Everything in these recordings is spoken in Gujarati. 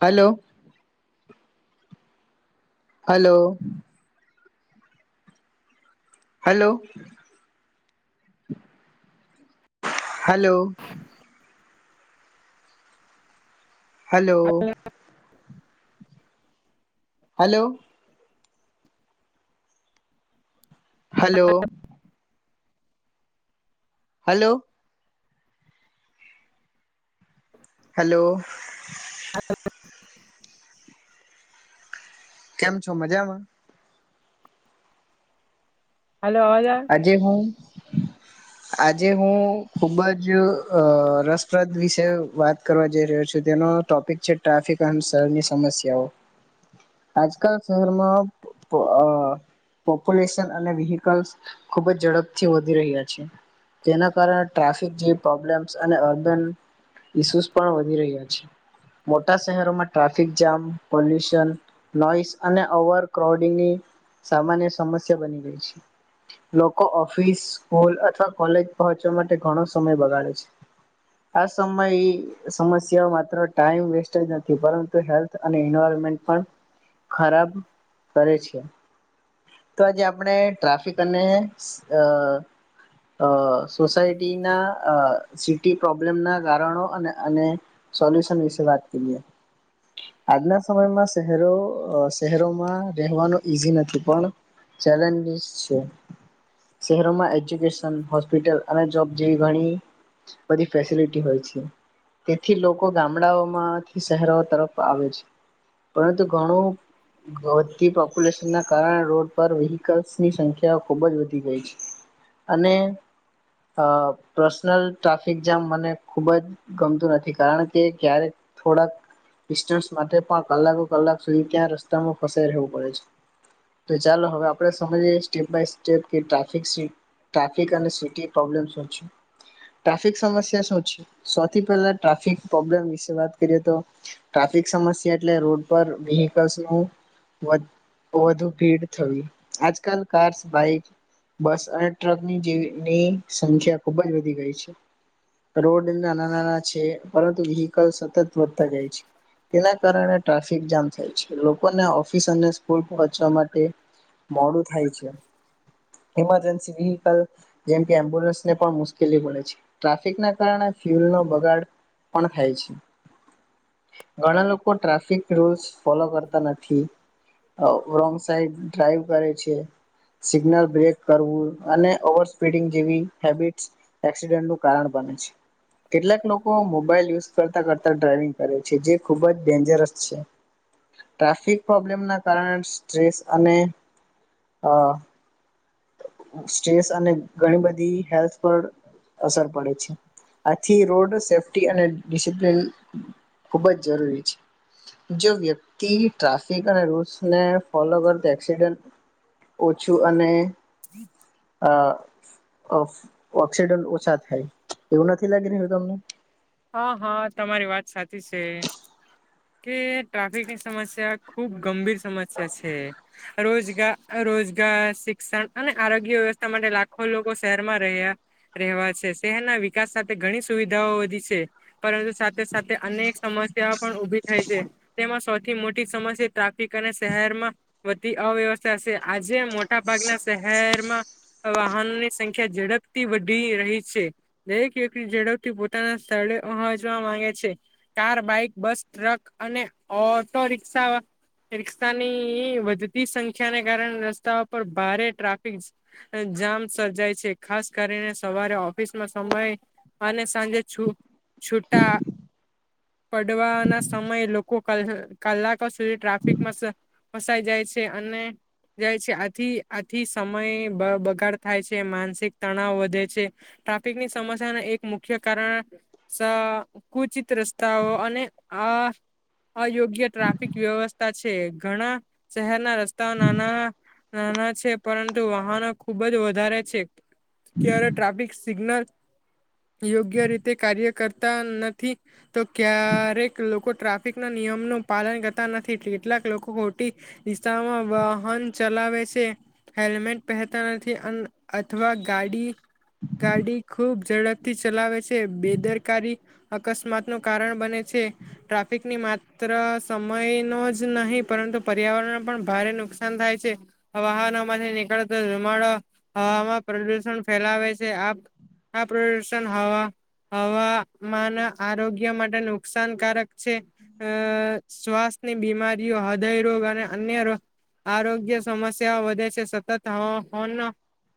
Hello hello hello hello hello હ હલો હલો હલો હ કેમ છો મજામાં હાલો અવાજ આવે આજે હું આજે હું ખુબ જ રસપ્રદ વિશે વાત કરવા જઈ રહ્યો છું તેનો ટોપિક છે ટ્રાફિક અને શરની સમસ્યાઓ આજકા શહેરમાં પોપ્યુલેશન અને વહક ખબ જ ઝડપથી વધી રહ્યા છે. તેના કારણે ટ્રાફિક જે પ્રોબ્લેમ્સ અને અર્બન ઇસ્યુઝ પણ વધી રહ્યા છે. મોટા શહેરોમાં ટ્રાફિક જામ પોલ્યુશન નોઈસ અને ઓવર ક્રાઉડિંગની સામાન્ય સમસ્યા બની ગઈ છે. લોકો ઓફિસ, સ્કૂલ અથવા કોલેજ પહોંચવા માટે ઘણો સમય બગાડે છે. આ સમય સમસ્યા માત્ર ટાઈમ વેસ્ટ જ નથી પરંતુ હેલ્થ અને એવાયરમેન્ટ પણ ખરાબ કરે છે. તો આજે આપણે ટ્રાફિક અને સોસાયટીના સિટી પ્રોબ્લેમના કારણો અને અને સોલ્યુશન વિશે વાત કરીએ. આજના સમયમાં શહેરો શહેરોમાં રહેવાનું ઈઝી નથી, પણ ચેલેન્જીસ છે. શહેરોમાં એજ્યુકેશન, હોસ્પિટલ અને જોબ જેવી ઘણી બધી ફેસિલિટી હોય છે. તેથી લોકો ગામડાઓમાંથી શહેરો તરફ આવે છે. પરંતુ ઘણું વધતી પોપ્યુલેશનના કારણે રોડ પર વેહીકલ્સની સંખ્યા યા ખૂબ જ વધી ગઈ છે, અને અ પર્સનલ ટ્રાફિક જામ મને ખુબ જ ગમતું નથી. કારણ કે ક્યારેક થોડાક ડિસ્ટન્સ માટે પણ કલાકો કલાક સુધી ત્યાં રસ્તામાં ફસાઈ રહેવું પડે છે. તો ચાલો હવે આપણે સમજીએ સ્ટેપ બાય સ્ટેપ કે ટ્રાફિક સી ટ્રાફિક અને સીટી પ્રોબ્લેમ શું છે. ટ્રાફિક સમસ્યા શું છે? સોથી પહેલા ટ્રાફિક પ્રોબ્લેમ વિષે વાત કરીએ તો ટ્રાફિક સમસ્યા એટલે રોડ પર વ્હીકલ્સનું વ વધુ ભીડ થવી. આજકાલ કાર્સ, બાઈક, બસ અને ટ્રકની જેવી ની સંખ્યા ખૂબ જ વધી ગઈ છે. રોડ નાના-નાના છે, પરંતુ વ્હીકલ સતત વધતા જાય છે. તેના કારણે ટ્રાફિક જામ થાય છે. લોકોને ઓફિસ અને સ્કૂલ પહોચવા માટે મોડું થાય છે. ઈમરજન્સી વ્હિકલ જેમ કે એમ્બુલન્સને પણ મુશ્કેલી પડે છે. ટ્રાફિક ના કારણે ફ્યુલનો બગાડ પણ થાય છે. ઘણા લોકો ટ્રાફિક રૂલ્સ ફોલો કરતા નથી. અ રોંગ સાઈડ ડ્રાઈવ કરે છે. સિગ્નલ બ્રેક કરવું, અને ઓવર સ્પીડિંગ જેવી હેબિટ્સ એક્સિડન્ટનું કારણ બને છે. કેટલાક લોકો મોબાઈલ યુઝ કરતા કરતા ડ્રાઈવિંગ કરે છે, જે ખૂબ જ ડેન્જરસ છે. ટ્રાફિક પ્રોબ્લેમના કારણે સ્ટ્રેસ અને હા. સ્ટેસ અને ઘણી બધી હેલ્થ પર અસર પડે છે. આથી રોડ સેફી અને ડિસપ્ન ખુબ જ જરૂરી છે. જો વ્યક્તિ ટ્રાફિક અને રૂલ્સને ફોલો કર ઓછું અને આ. ઓ ઓક્સિડન ઓછા થાય. એવું નથી લાગી રહ્યું તમને? હા હા તમારી વાત સાચી છે. કે ટ્રાફિકની સમસ્યા ખુબ ગંભીર સમસ્યા છે રોજ રોજગાર શિક્ષણ અને આરોગ્ય વ્યવસ્થા માટે લાખો લોકો શહેરમાં રહ્યા રહેવા છે શહેરના વિકાસ સાથે ઘણી સુવિધાઓ વધી છે. તે પરંતુ સાથે સાથે અનેક સમસ્યા પણ ઉભી થાય છે. તેમાં સૌથી મોટી સમસ્યા ટ્રાફિક અને શહેરમાં વધતી અવ્યવસ્થા છે આજે મોટા ભાગના શહેરમાં વાહનોની સંખ્યા ઝડપથી વધી રહી છે. દરેક વ્યક્તિ ઝડપથી પોતાના સ્ળે પહોચવા માંગે છે કાર, બાઈક, બસ ટ્રક અને ઓટો રિક્ષા રિકષાની વધતી સંખ્યાને કારણે રસ્તાઓ પર ભારે ટ્રાફિક જામ સર્જાય છે. ખાસ કરીને સવારે ઓફિસમાં સમય અને સાંજે છુ છૂટા પડવાના સમયે લોકો કલ કલાકો સુધી ટ્રાફિકમાં સ ફસાય જાય છે અને જાય છે આથી આથી સમય બ બકાડ થાય છે માનસિક તણાવ વધે છે. ટ્રાફિકની સમસ્યાના એક મુખ્ય કારણ સ કુચિત રસ્તાઓ અને આ અયોગ્ય ટ્રાફિક વ્યવસ્થા છે. ઘણા શહેરના રસ્તાઓ નાના નાના છે પરંતુ વાહનો ખુબ જ વધારે છે. ત્યારે ટ્રાફિક સિગ્નલ યોગ્ય રીતે કાર્ય કરતા નથી તો ક્યારેક લોકો ટ્રાફિક ના નિયમ ન પાલન કરતા નથી. કેટલાક લોકો ખોટી વીસ્માં વાહન ચલાવે છે. હેલ્મેટ પહેરતા નથી. અથવા ગાડી ગાડી ખુબ ઝડપથી ચલાવે છે. બેદર કારી અકસ્માત નું કારણ બને છે. ટ્રાફિકની માત્ર સમય ન જ નહીં પરંતુ પર્યાવરણને પણ ભારે નુકસાન થાય છે. વાહનોમાંથી નીકળતો ધુમાડો હવામાં પ્રદુષણ ફેલાવે છે. આ પ્રદૂષણ હવા હવા માના આરોગ્ય માટે નુકસાન કારક છે. અ શ્વાસની બીમારી દી હદય રોગ અને અન્ય આરોગ્ય સમસ્યાઓ વધે છે. સતત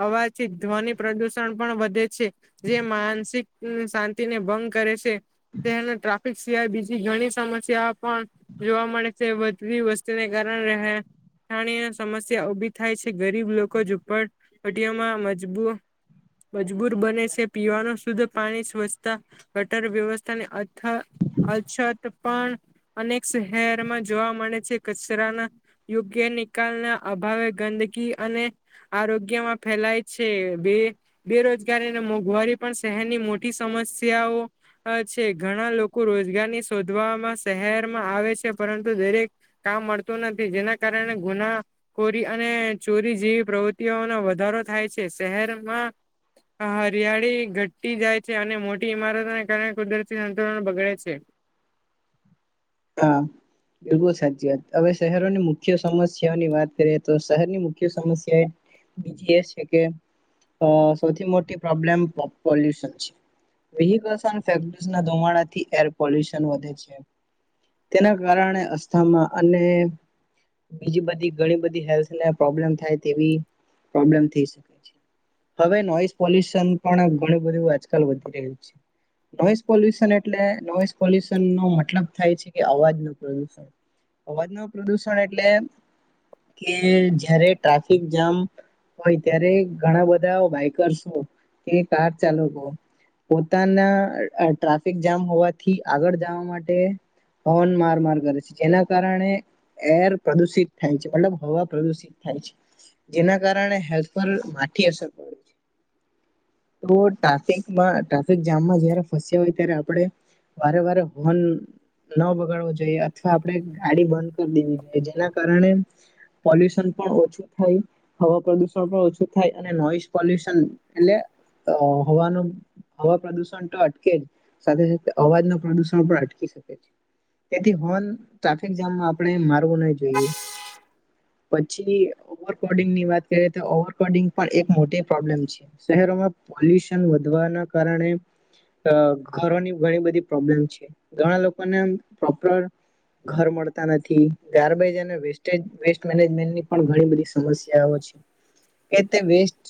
હોવાથી ધ્વનિ પ્રદુષણ પણ વધે છે જે માનસિક શાંતિ તેને ભંગ કરે છે. તેને ટ્રા ફીક સિવાય બીજી ઘણી સમસ્યા પણ જોવા મળે છે. વધતી વસ્તીને કારણેણી સમસ્યા ઉભી થાય છે ગરીબ લોકો ઝુંપડપટીયોમાં મજબૂ મજબૂર બને છે. પીવાનું શુદ્ધ પાણી તા ગટર વ્યવસ્થાની હ અછત પણ અનેક શહેરમાં જોવા મળે છે કચરાના યોગ્ય નિકાલના અભાવે ગંદકી અને આરોગ્યમાં ફેલાય છે. બે બેરોજગારીને મોંઘવારી પણ શહેરની મોટી સમસ્યાઓ છે. ઘણા લોકો રોજગારની શોધવામાં શહેરમાં આવે છે પરંતુ દરેક કામ મળતું નથી જેના કારણે ગુનાખોરી અને ચોરી જેવી પ્રવૃત્તિઓનો વધારો થાય છે. શહેરમાં હરિયાળી ઘટી જાય છે અને મોટી ઇમારતોને કારણે કુદરતી સંતુલન બગડે છે. હા બિલકુલ સાચી વાત હવે શહેરોની મુખ્ય સમસ્યાઓની વાત કરીએ તો શહેરની મુખ્ય સમસ્યા એ બીજી એ છે કે અ સૌથી મોટી પ્રોબ્લેમ પો પોલ્યુશન છે વ્હીકલ્સ [inaudible] ધુમાડાથી એર પોલ્યુશન વધે છે. તેના કારણે અસ્થામાં અને બીજી બધી ઘણી બધી હેલ્થ ને પ્રોબ્લેમ થાય તેવી પ્રોબ્લેમ થઈ શકે છે હવે નોઈસ પોલ્યુશન પણ ઘણું બધુ આજકાલ વધી રહ્યું છે, નોઈસ પોલ્યુશન એટલે નોઈસ પોલ્યુશનનો મતલબ થાય છે કે અવાજનું પ્રદૂષણ અવાજ ના પ્રદુષણ એટલે કે જ્યારે ટ્રાફિક જામ હોય ત્યારે ઘણા બધા બાઈકર્સો કે કાર ચાલકો પોતાના ટ્રાફિક જામ હોવાથી આગળ જવા માટે. હોન માર માર કરે છે જેના કારણે એર પ્રદુષિત થાય છે મતલબ હવા પ્રદુષિત થાય છે જેના કારણે હેલ્થ પર માઠી અસર પડે છે તો ટ્રાફિકમાં ટ્રાફિક જામમાં જયારે ફસ્યા હોય ત્યારે આપણે વારે વારે હોન ન બગાડવો જોઈએ અથવા આપણે ગાડી બંધ કરી દેવી જોઈએ જેના કારણે પોલ્યુશન પણ ઓછું થાય હવા પ્રદુષણ પણ ઓછું થાય અને નોઈસ પોલ્યુશન એટલે હવાનું હવા પ્રદુષણ તો અટકે જ સાથે સાથે અવાજ ન પ્રદુષણ પણ અટકી શકે તેથી હોન ટ્રાફિક જામમાં આપણે મારવું નહી જોઈએ પછી ઓવર કોડિંગની વાત કરીએ તો ઓવર કોડિંગ પણ એક મોટી પ્રોબ્લેમ છે શહેરોમાં પોલ્યુશન વધવાના કારણે અ ઘરોની ઘણી બધી પ્રોબ્લેમ છે ઘણા લો આપણને આમ પ્રોપર ઘર મળતા નથી ગાર્બેજ અને વેસ્ટજ વેસ્ટ મેજમેની પણ ઘણી બધી સમસ્યાઓ છે કે તે વેસ્ટ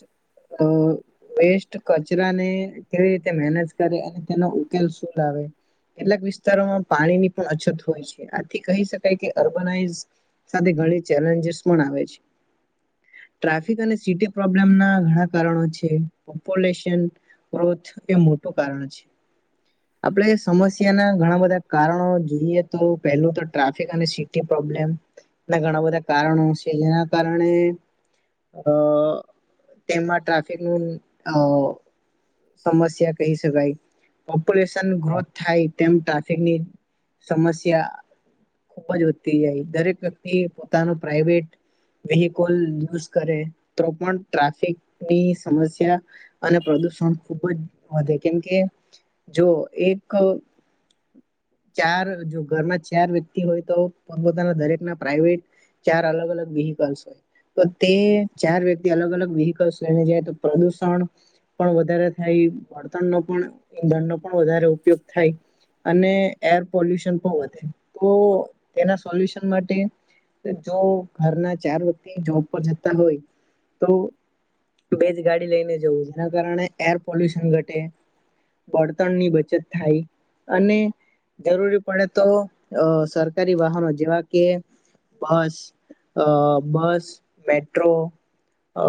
વેસ્ટ કચરાને કેવી રીતે મેનેજ કરે અને તેનો ઉકેલ શું લાવે? કેટલાક વિસ વિસ્તારોમાં પાણીની પણ અછત હોય છે આથી કહી શકાય કે અર્બન આઈસ સાથે ઘણી ચેલેન્જીસ પણ આવે છે ટ્રાફિક અને સિટી. પ્રોબ્લેમ ના ઘણા કારણો છે ઓપોલેશન ગ્રોથ એ મોટું કારણ છે આપડે સમસ્યાના. ઘણા બધા કારણો જોઈએ તો પહેલું તો ટ્રાફિક અને સિટી પ્રોબ્લેમના ઘણા બધા કારણો છે જેના કારણે અ તેમાં ટ્રાફિકનું અ સમસ્યા કહી શકાય પોપ્યુલેશન ગ્રોથ થાય. એમ ટ્રાફિકની સમસ્યા ખુબ જ વધતી જાય દરેક વ્યક્તિ પોતાનો પ્રઇવેટ વેહિકલ યુઝ કરે તો પણ ટ્રાફિકની સમસ્યા અને પ્રદુષણ ખુબ જ વધે કેમકે જો એક ચાર જો ઘરના ચાર વ્યક્તિ હોય તો પોપોતાના દરેક ના પ્રાઇવેટ ચાર અલગ અલગ વિહીકલ્સ હોય તો તે ચાર વ્યક્તિ અલગ અલગ વ્હીકલસ લઈને જાય તો પ્રદુષણ પણ વધારે થાય બળતણનો પણ ઈંધનનો પણ વધારે ઉપયોગ થાય. અને એર પોલ્યુશન પણ વધે તો તેના સોલ્યુશન માટે જો ઘરના ચાર વ્યક્તિ જોબ પર જતા હોય તો બે જ ગાડી લઈને જવું જેના કારણે એર પોલ્યુશન ઘટે બળતણની બચત થાય. અને જરૂરી પડે તો અ સરકારી વાહનો જેવા કે બસ અ બસ મેટ્રો અ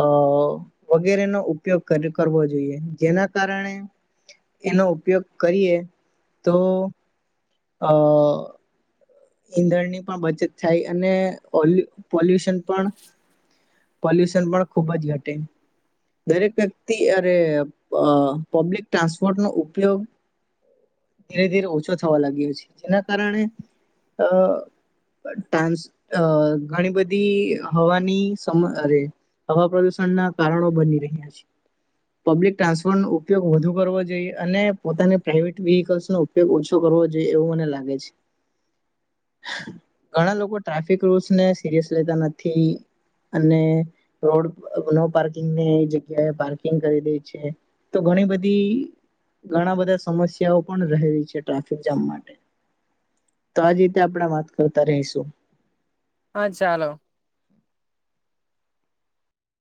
વગેરેનો ઉપયોગ કર કરવો જોઈએ. જેના કારણે એનો ઉપયોગ કરીએ તો અહ ઈંધણની પણ બચત થાય અને પોલ પોલ્યુશન પણ પોલ્યુશન પણ ખૂબ જ ઘટે. દરેક વ્યક્તિ અરે પબ્લિક ટ્રાન્સપોર્ટ ન ઉપયોગ ધીરે-ધીરે ઓછો થવા લાગ્યો છે જેના કારણે અ ટ્રાન્સ અ ઘણી બધી હવાની સમ્સ અરે હવા પ્રદુષણ ના કારણો બની રહ્યા છે. પબ્લિક ટ્રાન્સપોર્ટનો ઉપયોગ વધુ કરવો જોઈએ અને પોતાની પ્રાઇવેટ વેહકલ્સ નો ઉપયોગ ઓછો કરવો જોઈએ એવું મને લાગે છે. ઘણા લોકો ટ્રાફિક રૂલ્સને સિરિયસ લેતા નથી અને રોડ નો પાર્કિંગને જગ્યાએ પાર્કિંગ કરી દે છે. તો ઘણી બધી ઘણા બધા સમસ્યાઓ પણ રહેલી છે ટ્રાફિક જામ માટે તો આજ તે આપડા વાત કરતા રહીશું. હા ચાલો.